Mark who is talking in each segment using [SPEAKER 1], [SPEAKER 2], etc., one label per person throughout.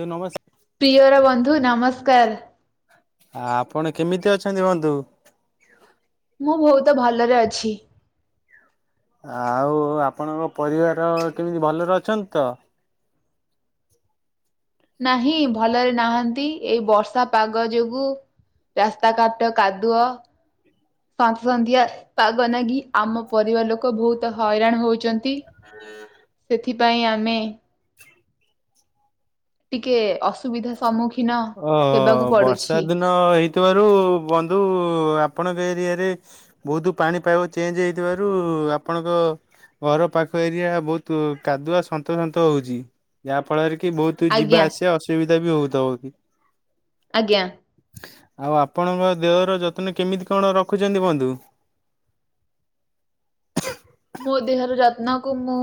[SPEAKER 1] ନି ନମସ
[SPEAKER 2] ପ୍ରିୟର ବନ୍ଧୁ ନମସ୍କାର।
[SPEAKER 1] ଆ ଆପଣ କେମିତି ଅଛନ୍ତି ବନ୍ଧୁ?
[SPEAKER 2] ମୁଁ ବହୁତ ଭଲରେ ଅଛି।
[SPEAKER 1] ଆଉ ଆପଣଙ୍କ ପରିବାର କେମିତି ଭଲରେ ଅଛନ୍ତି ତ?
[SPEAKER 2] ନାହିଁ ଭଲରେ ନାହାନ୍ତି ଏଇ ବର୍ଷା ପାଗ ଯୋଗୁ ରାସ୍ତାକାଟ କାଦୁଅ ସନ୍ତ ସନ୍ତିଆ ପାଗ ନାଗି ଆମ ପରିବାର ଲୋକ ବହୁତ ହଇରାଣ ହଉଚନ୍ତି।
[SPEAKER 1] [inaudible]
[SPEAKER 2] ସେଥିପାଇଁ ଆମେ ଟିକେ ଅସୁବିଧା ସମ୍ମୁଖୀ
[SPEAKER 1] ଓ ବର୍ଷା ଦିନ ହେଇଥିବାରୁ ବନ୍ଧୁ ଆପଣଙ୍କ ଏରିଆରେ ବହୁତୁ ପାଣି ପାଇବ ଚେଞ୍ଜ ହେଇଥିବାରୁ ଆପଣଙ୍କ ଘର ପାଖ ଏରିଆ ବହୁତ କାଦୁଆ ସନ୍ତ ସନ୍ତ ହଉଚି ଯାହା ଫଳରେ କି ବହୁତ ତୁ
[SPEAKER 2] ଆଜ୍ଞା
[SPEAKER 1] ଯିବା ଆସିଆ ଅସୁବିଧା ବି ହଉଥବ।
[SPEAKER 2] ଆଜ୍ଞା।
[SPEAKER 1] ଆଉ ଆପଣଙ୍କ ଦେହର ଯତ୍ନ କେମିତି କଣ ରଖୁଚନ୍ତି ବନ୍ଧୁ?
[SPEAKER 2] ମୋ ଦେହର ଯତ୍ନକୁ ମୁଁ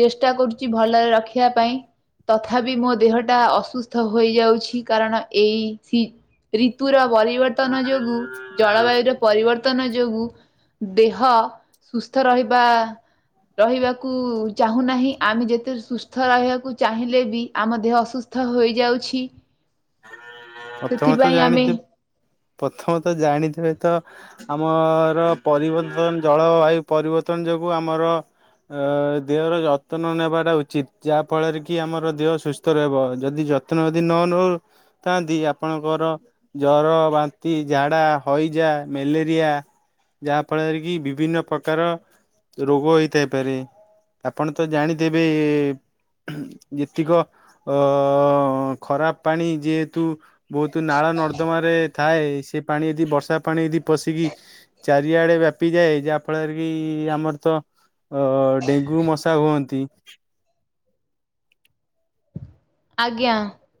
[SPEAKER 2] ଚେଷ୍ଟା କରୁଚି ଭଲରେ ରଖିଆ ପାଇଁ। ତଥାପି ମୋ ଦେହଟା ଅସୁସ୍ଥ ହୋଇଯାଉଚି କାରଣ ଏଇ ସି ରିତୁର ପରିବ ତନ ଯୋଗୁ ଜଳବାୟୁ ର ପରିବର୍ତ୍ତନ ଯୋଗୁ ଦେହ ସୁସ୍ଥ ରହି ବା ରହିବାକୁ ଚାହୁଁନାହିଁ ଆମେ ଯେତେ ସୁସ୍ଥ ରହିବାକୁ ଚାହିଁଲେ ବି ଆମ ଦେହ ଅସୁସ ସ୍ତ ହୋଇଯାଉଛି।
[SPEAKER 1] ପଥମେ ତ
[SPEAKER 2] ସେଥିପାଇଁ ଆମେ
[SPEAKER 1] ଜାଣିଥିବ ପଥମେ ତ ଜାଣିଥିବେ ତ ଆମର ପରିବର୍ତନ ଜଳବାୟୁ ପରିବର୍ତ୍ତନ ଯୋଗୁ ଆମର ଅ ଦେହର ଯତ୍ନ ନେବାଟା ଉଚିତ ଯାହା ଫଳରେ କି ଆମର ଦେହ ସୁସ୍ ସ୍ତ ରଇବ ଯଦି ଯତ୍ନ ଯଦି ନ ନଉ ଥାନ୍ତି ଆପଣଙ୍କର ଜର, ବାନ୍ତି, ଝାଡା, ହଇଜା, ମେଲେରିଆ ଯାହା ଫଳରେ କି ବିଭିନ୍ନ ପ୍ରକାର ରୋଗ ହେଇଥାଇପାରେ। ଆପଣ ତ ଜାଣିଥବେ ଏ ଯେତିକ ଆଃ ଖରାପ ପାଣି ଯେହେତୁ ବହୁତୁ ନାଳ ନର୍ଦ୍ଦମା ରେ ଥାଏ, ସେ ପାଣି ଯଦି ବର୍ଷା ପାଣି ଯଦି ପଶିକି ଚାରିଆଡେ ବ୍ୟାପି ଯାଏ ଯାହା ଫଳରେ କି ଆମର ତ ଅ -ଅ ଡେଙ୍ଗୁ ମଶା ହୁଅନ୍ତି।
[SPEAKER 2] ଆଜ୍ଞା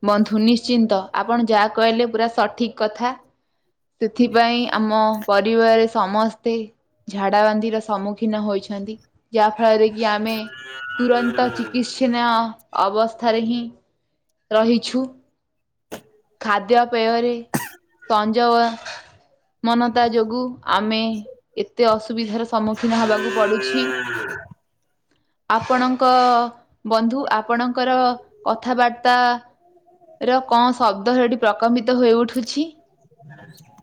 [SPEAKER 2] ବନ୍ଧୁ ନିଶ୍ଚିନ୍ତ ଆପଣ ଯାହା କହିଲେ ପୁରା ସଠିକ୍ କଥା। ସେଥିପାଇଁ ଆମ ପରିବାରରେ ସମସ୍ତେ ଝାଡ଼ା ବାନ୍ତିର ସମ୍ମୁଖୀନ ହୋଇଛନ୍ତି। ଯାହାଫଳରେ କି ଆମେ ତୁରନ୍ତ ଚିକିତ୍ସନୀୟ ଅବସ୍ଥାରେ ହିଁ ରହିଛୁ। ଖାଦ୍ୟପେୟରେ ସଂଯୋଗ ମନତା ଯୋଗୁଁ ଆମେ ଏତେ ଅସୁବିଧାର ସମ୍ମୁଖୀନ ହେବାକୁ ପଡୁଛି।
[SPEAKER 1] [inaudible]
[SPEAKER 2] ଆପଣଙ୍କ ବନ୍ଧୁ ଆପଣଙ୍କର କଥାବାର୍ତ୍ତା ର କଣ ଶବ୍ଦ ହେଟିି ପ୍ରକମ୍ପିତ ହୋଇଉଠୁଛି।
[SPEAKER 1] [inaudible]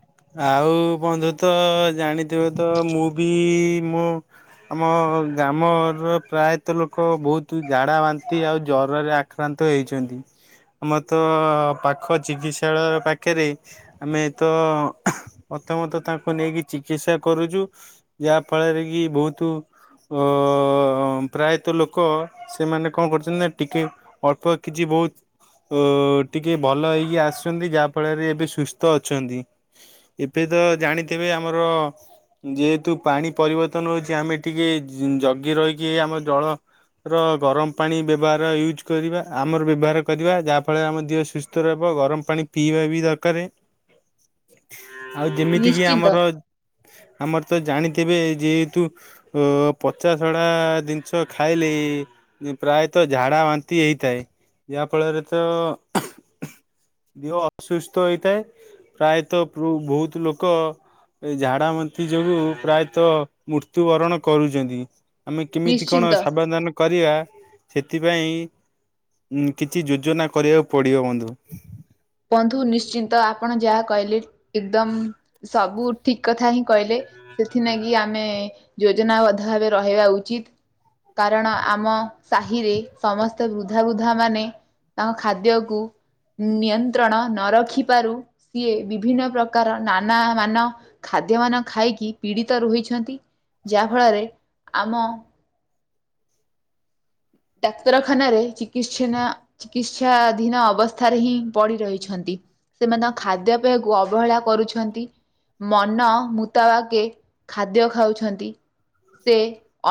[SPEAKER 1] ଆଉ-ଉ ବନ୍ଧୁ ତ-ଅ ଜାଣିଥିବେ ତ ମୁଁ ବି-ଇ-ଇ ମୋ ଆମ ଗ୍ରାମର ପ୍ରାୟତ ଲୋକ ବୋହୁତୁ ଝାଡା ବାନ୍ତି ଆଉ ଜରରେ ଆ ଆକ୍ରାନ୍ତ ହେଇଛନ୍ତି, ଆମର ତ ପାଖ ଚିକିତ୍ସାଳୟ ପାଖେରେ ଆମେ ତ ପ୍ରଥମ ତ ତାଙ୍କୁ ନେଇକି ଚିକିତ୍ସା କରୁଚୁ। ଯାହା ଫଳରେ କି ବୋହୁତୁ ଅ-ଅ-ଅ-ଅ-ଅ ପ୍ରାୟତ ଲୋକ ସେମାନେ କଣ କରୁଚନ୍ତି ନାଁ ଟିକେ ଅଳ୍ପ କିଛି ବହୁତ୍ ଅଁ ଟିକେ ଭଲ ହେଇକି ଆସୁଛନ୍ତି, ଯାହା ଫଳରେ ଏବେ ସୁସ୍ଥ ଅଛନ୍ତି। ଏବେ ତ ଜାଣିଥିବେ ଆମର ଯେହେତୁ ପାଣି ପରିବର୍ତ୍ତନ ହୋଉଛି, ଆମେ ଏଠିକି ଜ-ଜଗି ରହିକି ଆମ ଜଳ ର ଗରମ ପାଣି ବ୍ୟବହାର ୟୁଜ୍ କରିବା ଆମର ବ୍ୟବହାର କରିବା, ଯାହାଫଳରେ ଆମ ଦେହ ସୁସ୍ଥ୍ ଉତ ରହିବ ଗରମ ପାଣି ପିଇବା ବି ଦକାରେ। ଆଉ ଯେମିତି କିି
[SPEAKER 2] ନିଶ୍ଚିନ୍ତ
[SPEAKER 1] ଆମର ଆମର ତ ଜାଣିଥିବେ ଯେହେତୁ ଓ ପଚାଶଡ଼ା ଜିନିଷ ଖାଇଲି ପ୍ରାୟତ ଝାଡ଼ା ବାନ୍ତି ହେଇଥାଏ, ଯାହା ଫଳରେ ତ ଦେହ ଅସୁସ୍ଥ ହୋଇଥାଏ। ପ୍ରାୟତ ଭୁ -ଭୁତ୍ ଲୋକ ଏଇ ଝାଡା ବାନ୍ତି ଯୋଗୁଁ ପ୍ରାୟତ ମୃତ୍ୟୁ ବରଣ କରୁଚନ୍ତି। ଆମେ କେମିତି କଣ
[SPEAKER 2] ନିଶ୍ଚିନ୍ତ
[SPEAKER 1] ସାବଧାନ କରିବା ସେଥିପାଇଁ କିଛି ଯୋଜନା କରିବାକୁ ପଡ଼ିବ ବନ୍ଧୁ।
[SPEAKER 2] ବନ୍ଧୁ ନିଶ୍ଚିନ୍ତ ଆପଣ ଯାହା କହିଲେ ଏକଦମ୍ ସବୁ ଠିକ୍ କଥା ହିଁ କହିଲେ, ସେଥିନାଗି ଆମେ ଯୋଜନାବଦ୍ଧ ଭାବେ ରହିବା ଉଚିତ୍। କାରଣ ଆମ ସାହିରେ ସମସ୍ତେ ବୃଦ୍ଧା ବୃଦ୍ଧା ମାନେ ତାଙ୍କ ଖାଦ୍ୟକୁ ନିଅନ୍ତ୍ ତ୍ରଣ ନ ରଖିପାରୁ ସିଏ ବିଭିନ୍ନ ପ୍ରକାର ନାନା ମାନ ଖାଦ୍ୟମାନ ଖାଇକି ପୀଡ଼ିତ ରୁହିଛନ୍ତି, ଯାହାଫଳରେ ଆମ ଡାକ୍ତର ଖାନାରେ ଚିକିଛନା ଚିକିତ୍ସାଧୀନ ଅବସ୍ଥାରେ ହିଁ ପଡି ରହିଛନ୍ତି। ସେମାନେ ତାଙ୍କ ଖାଦ୍ୟ ପେୟକୁ ଅବହେଳା କରୁଛନ୍ତି। ମନ ମୁତାବାକେ ଖାଦ୍ୟ ଖାଉଛନ୍ତି। ସେ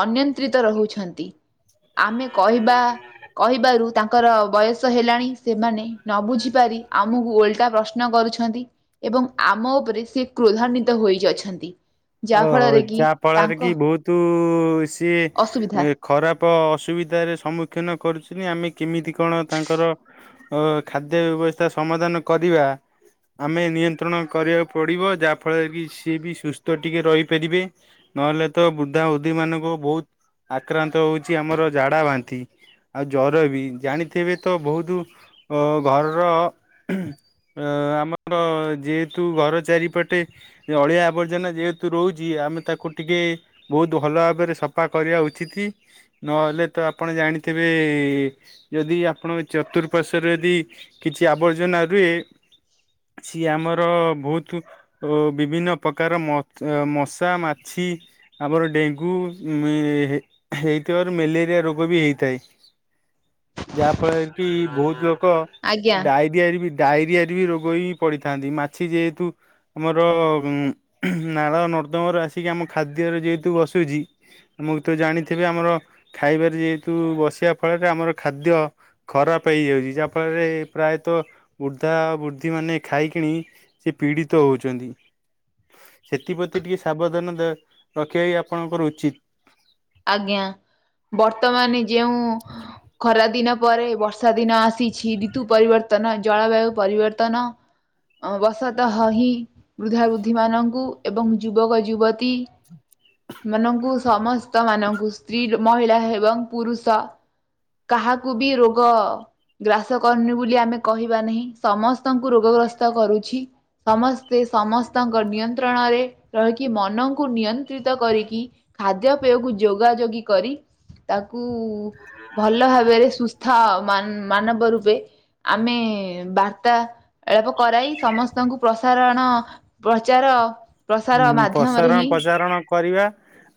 [SPEAKER 2] ଅନିୟନ୍ତ୍ରିତ ରହୁଛନ୍ତି ଆମେ କହିବା କହିବାରୁ ତାଙ୍କର ବୟସ ହେଲାଣି ସେମାନେ ନ ବୁଝିପାରି ଆମକୁ ଓଲଟା ପ୍ରଶ୍ ଶ୍ନ କରୁଛନ୍ତି ଏବଂ ଆମ ଉପରେ ସେ କ୍ରୋଧାନ୍ୱିତ ହୋଇଯଛନ୍ତି।
[SPEAKER 1] ଓହୋ ଯାହା ଫଳରେ କି ବହୁତ ଉ
[SPEAKER 2] ଅସୁବିଧା
[SPEAKER 1] ସିଏ ଖରାପ ଅସୁବିଧାରେ ସମ୍ମୁଖୀନ କରୁଛନ୍ତି ଆମେ କେମିତି କଣ ତାଙ୍କର ଓ ଖାଦ୍ୟ ବ୍ୟବସ୍ଥା ସମାଧାନ କରିବା ଆମେ ନିୟନ୍ତ୍ରଣ କରିବାକୁ ପଡ଼ିବ ଯାହାଫଳରେ କି ସିଏ ବି ସୁସ୍ଥ ସୁସ୍ଥ ଟିକେ ରହିପାରିବେ ନହେଲେ ତ ବୃଦ୍ଧା ବୃଦ୍ଧି ମାନଙ୍କ ବହୁତ୍ ଆକ୍ରାନ୍ତ ହଉଚି ଆମର ଝାଡା ବାନ୍ତି। ଆଉ ଜର ବି ଜାଣିଥିବେ ତ ବହୁତ ଅ ଘରର ଆମର ଯେହେତୁ ଘର ଚାରିପଟେ ଅଳିଆ ଆବର୍ଜନା ଯେହେତୁ ରହୁଚି ଆମେ ତାକୁ ଟିକେ ବହୁତ ଭଲ ଭାବରେ ସଫା କରିବା ଉଚିତି ନହେଲେ ତ ଆପଣ ଜାଣିଥିବେ ଯଦି ଆପଣଙ୍କ ଚତୁଃପାଶ୍ୱରେ ଯଦି କିଛି ଆବର୍ଜନା ରୁହେ ଛି ଆମର ବହୁତ ଅ ବିଭିନ୍ନ ପ୍ରକାର ମ ମଶା ମାଛି ଆମର ଡେଙ୍ଗୁ ହେଇଥିବାରୁ ମ୍ୟାଲେରିଆ ରୋଗ ବି ହେଇଥାଏ ଯାହା ଫଳରେ କି ବହୁତ ଲୋକ
[SPEAKER 2] ଆଜ୍ଞା।
[SPEAKER 1] ଡାଇ ଆରେ ବି ଡାଇରିଆରେ ବି ରୋଗ ହେ ପଡିଥାନ୍ତି ମାଛି ଯେହେତୁ ଆମର ନାଳ ନର୍ଦ୍ଦମାରୁ ଆସିକି ଆମ ଖାଦ୍ୟରେ ଯେହେତୁ ବସୁଚି ମୁଁ ତ ଜାଣିଥିବି ଆମର ଖାଇବାରେ ଯେହେତୁ ବସିବା ଫଳରେ ଆମର ଖାଦ୍ୟ ଖରାପ ହେଇଯାଉଚି ଯାହାଫଳରେ ପ୍ରାୟତଃ ବୃଦ୍ଧା ବୃଦ୍ଧି ମାନେ ଖାଇକିଣି ସେ ପୀଡ଼ିତ ହଉଛନ୍ତି - ସେଥିପତି ଟିକେ ସାବଧାନ ଦେ ରଖିବା ହି ଆପଣଙ୍କର ଉଚିତ୍।
[SPEAKER 2] ଆଜ୍ଞା, ବର୍ତ୍ତମାନି ଯେଉଁ ଖରା ଦିନ ପରେ ବର୍ଷା ଦିନ ଆସିଛି ରିତୁ ପରିବର୍ତ୍ତନ, ଜଳବାୟୁ ପରିବର୍ତ୍ତନ ବସତ ହ ହି ବୃଦ୍ଧା ବୃଦ୍ଧି ମାନଙ୍କୁ ଏବଂ ଯୁବକ ଯୁବତୀ ମାନଙ୍କୁ ସମସ୍ ସ୍ତ ମାନଙ୍କୁ ସ୍ତ୍ରୀ ମହିଳା ଏବଂ ପୁରୁଷ କାହାକୁ ବି ରୋଗ ଗ୍ରାସ କରନି ବୋଲି ଆମେ କହିବା ନାହିଁ ସମସ୍ତଙ୍କୁ ରୋଗ ଗ୍ରସ୍ତ କରୁଛି ସମସ୍ତେ ସମସ୍ତଙ୍କ ନିୟନ୍ତ୍ରଣରେ ରହିକି ମନକୁ ନିୟନ୍ତ୍ରିତ କରିକି ଖାଦ୍ୟ ପେୟକୁ ଯୋଗା ଯୋଗୀ କରି ତାକୁ ଉ - ଭଲ ଭାବେରେ ସୁସ୍ଥ ମାନ ମାନବ ରୂପେ ଆମେ ବାର୍ତ୍ତା ଳାପ କରାଇ ସମସ୍ତଙ୍କୁ ପ୍ରସାରଣ ପ୍ରଚାର ପ୍ରସାର
[SPEAKER 1] ହୁଁ
[SPEAKER 2] ମାଧ୍ୟମରେ
[SPEAKER 1] ପସାରଣ
[SPEAKER 2] ହିଁ
[SPEAKER 1] ପଚାରଣ କରିବା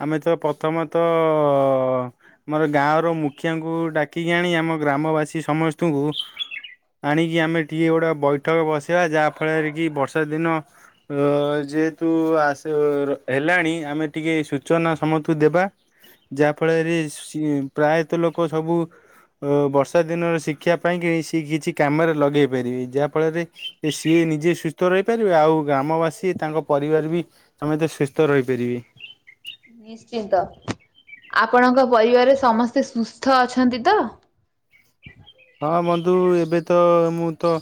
[SPEAKER 1] ଆମେ ତ ପ୍ରଥମତ ଅ ଆମର ଗାଁଅର ମୁଖିଆଙ୍କୁ ଡାକିକି ଆଣି ଆମ ଗ୍ରାମବାସୀ ସମସ୍ତଙ୍କୁ ଆଣିକି ଆମେ ଟିକେ ଗୋଟେ ବୈଠକ ବସେଇବା ଯାହାଫଳରେ କି ବର୍ଷା ଦିନ ଅ ଯେ- ତୁ ଆସ ର ହେଲାଣି ଆମେ ଟିକେ ସୂଚନା ସମସ୍ତଙ୍କୁ ଦେବା ଯାହାଫଳରେ ସି ପ୍ରାୟତଃ ଲୋକ ସବୁ ଅ ବର୍ଷା ଦିନର ଶିକ୍ଷା ପାଇଁ କି ସେ କିଛି କାମରେ ଲଗେଇ ପାରିବେ ଯାହା ଫଳରେ ଯେ ସିଏ ନିଜେ ସୁସ୍ଥ ରହିପାରିବେ ଆଉ ଗ୍ରାମବାସୀ ତାଙ୍କ ପରିବାର ବି ତମେତେ ସୁସ୍ଥ ରହିପାରିବି
[SPEAKER 2] ନିଶ୍ଚିନ୍ତ। ଆପଣଙ୍କ ପରିବାରରେ ସମସ୍ତେ ସୁସ୍ଥ ଅଛନ୍ତି ତ?
[SPEAKER 1] ହଁ ବନ୍ଧୁ। ଏବେ ତ ମୁଁ ତ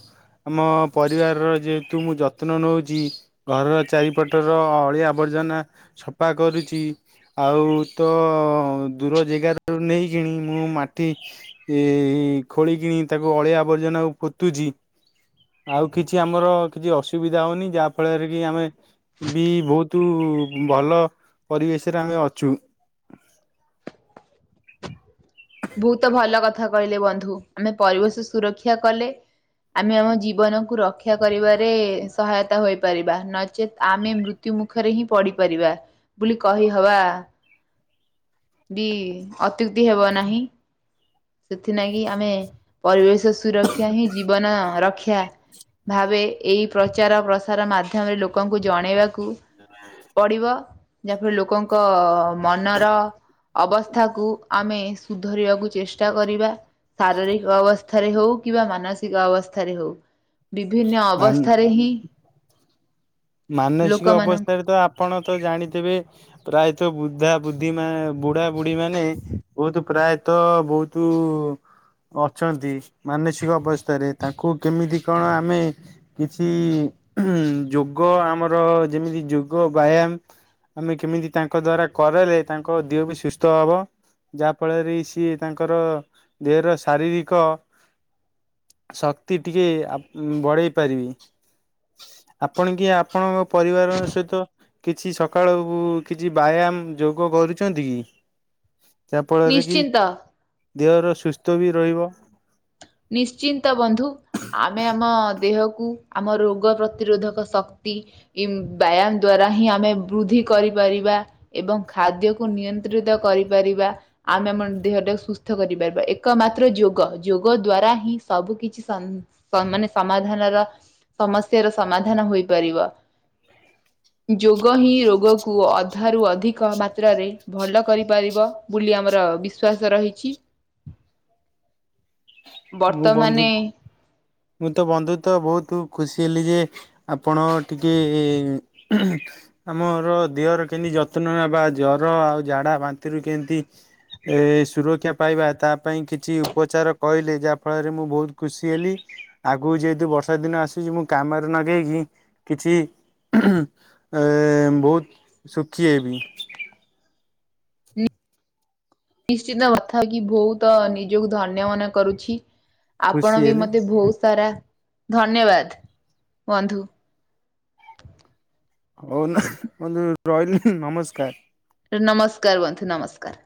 [SPEAKER 1] ଆମ ପରିବାରର ଯେହେତୁ ମୁଁ ଯତ୍ନ ନେଉଛି ଘରର ଚାରିପଟର ଅଳିଆ ଆବର୍ଜନା ସଫା କରୁଛି। ଆଉ ତ ଦୂର ଜାଗାାରୁ ନେଇକଣି ମୁଁ ମାଟି ଏ ଖୋଳ କିଣି ତାକୁ ଅଳିଆ ଆବର୍ଜନା ପୋତୁଛି। ଆଉ କିଛି ଆମର କିଛି ଅସୁବିଧା ହଉନି ଯାହା ଫଳରେ କି ଆମେ ବି ବହୁତ ଭଲ ପରିବେଶରେ ଆମେ ଅଛୁ।
[SPEAKER 2] ବହୁତ ଭଲ କଥା କହିଲେ ବନ୍ଧୁ ଆମେ ପରିବେଶ ସୁରକ୍ଷା କଲେ ଆମେ ଆମ ଜୀବନକୁୁ ରକ୍ଷା କରିବାରେ ସହାୟତା ହୋଇ। ନଚେତ୍ ଆମେ ମୃତ୍ୟୁ ମୁଖରେ ହିଁ ପଡିପାରିବା ବୋଲି କହିହବା ବି ଅତ୍ୟୁକ୍ତି ହେବ ନାହିଁ। ସେଥିଲାଗି ଆମେ ପରିବେଶ ସୁରକ୍ଷା ହିଁ ଜୀବନ ରକ୍ଷା। ଭାବେ ଏହି ପ୍ରଚାର ପ୍ରସାର ମାଧ୍ୟମରେ ଲୋକଙ୍କୁ ଜଣେଇବାକୁ ପଡ଼ିବ ଯାହାଫଳରେ ଲୋକଙ୍କ ମନର ଅବସ୍ଥାକୁ ଆମେ ସୁଧରିବାକୁ ଚେଷ୍ଟା ଚେଷ୍ଟା କରିବା ଶାରୀରିକ ଅବସ୍ଥାରେ ହଉ କିମ୍ବା ମାନସିକ ଅବସ୍ଥାରେ ହଉ। ବିଭିନ୍ନ
[SPEAKER 1] ମାନ
[SPEAKER 2] ଅବସ୍ଥାରେ ହିଁ
[SPEAKER 1] ମାନସିକ
[SPEAKER 2] ଲୋକମାନଙ୍କୁ
[SPEAKER 1] ଅବସ୍ଥାରେ ତ ଆପଣ ତ ଜାଣିଥିବେ ପ୍ରାୟତଃ ବୁଦ୍ଧା ବୁଦ୍ଧି ମ ବୁଢା ବୁଢ଼ୀ ମାନେ ବହୁତ ପ୍ରାୟତଃ ବହୁତ ଅଛନ୍ତି ମାନସିକ ଅବସ୍ଥାରେ ତାଙ୍କୁ କେମିତି କଣ ଆମେ କିଛି ଯୋଗ ଆମର ଯେମିତି ଯୋଗ ବ୍ୟାୟାମ ଆମେ କେମିତି ତାଙ୍କ ଦ୍ଵାରା କରଲେ ତାଙ୍କ ଦେହ ବି ସୁସ୍ଥ ହବ। ଯାହାଫଳରେ ସିଏ ତାଙ୍କର ଦେହର ଶାରୀରିକ। ଶକ୍ତି ଟିକେ ବଢ଼େଇ ପାରିବି। ଆପଣ କି ଆପଣଙ୍କ ପରିବାର ସହିତ କିଛି ସକାଳକୁ କିଛି ବ୍ୟାୟାମ ଯୋଗ କରୁଛନ୍ତି କି? ଯାହା ଫଳରେ କି
[SPEAKER 2] ନିଶ୍ଚିନ୍ତ
[SPEAKER 1] ଦେହର ସୁସ୍ଥ ବି ରହିବ।
[SPEAKER 2] ନିଶ୍ଚିନ୍ତ ବନ୍ଧୁ। ଆମେ ଆମ ଦେହକୁ ଆମ ରୋଗ ପ୍ରତିରୋଧକ ଶକ୍ତି ବ୍ୟାୟାମ ଦ୍ଵାରା ହିଁ ଆମେ ବୃଦ୍ଧି କରିପାରିବା। ଏବଂ ଖାଦ୍ୟକୁ ନିୟନ୍ତ୍ରିତ କରିପାରିବା। ଆମେ ଆମ ଦେହଟା ସୁସ୍ଥ କରିପାରିବା। ଏକମାତ୍ର ଯୋଗ। ଯୋଗ ଦ୍ଵାରା ହିଁ ସବୁ କିଛି ମାନେ ସମାଧାନର ସମସ୍ୟାର ସମାଧାନ ହୋଇପାରିବ। ଯୋଗ ହିଁ ରୋଗକୁ ଅଧାରୁ ଅଧିକ ମାତ୍ରାରେ ଭଲ କରିପାରିବ। ବୋଲି ଆମର ବିଶ୍ୱଵାସ ରହିଛି।
[SPEAKER 1] ମୁଁ ବନ୍ଧୁ
[SPEAKER 2] ବର୍ତ୍ତମାନେ
[SPEAKER 1] ମୁଁ ତ ବନ୍ଧୁ ତ ବହୁତ ଖୁସି ହେଲି ଯେ ଆପଣ ଟିକେ ଆମର ଦେହର କେମିତି ଯତ୍ନ ନେବା ଜର ଆଉ ଜଝାଡା ବାନ୍ତିରୁ କେମତି ଏ ସୁରକ୍ଷା ପାଇବା ତା ପାଇଁ କିଛି ଉପଚାର କହିଲେ ଯାହା ଫଳରେ ମୁଁ ବହୁତ ଖୁସି ହେଲି। ଆଗକୁ ଯେହେତୁ ବର୍ଷା ଦିନ ଆସୁଛି ମୁଁ କାମରେ ଲଗେଇକି କିଛି ଏ ବହୁତ ଶୁଖଏ ବି।
[SPEAKER 2] ନିଶ୍ଚିତ କଥା ହେଉକି ବହୁତ ନିଜକୁ ଧନ୍ୟ ମନେ କରୁଛି। ଆପଣ
[SPEAKER 1] ଖୁସି
[SPEAKER 2] ବି
[SPEAKER 1] ହେଲି
[SPEAKER 2] ମୋତେ ବହୁତ ସାରା ଧନ୍ୟବାଦ ବନ୍ଧୁ।
[SPEAKER 1] ହଉନ ରିଲ ନମସ୍କାର।
[SPEAKER 2] ନମସ୍କାର ବନ୍ଧୁ ନମସ୍କାର।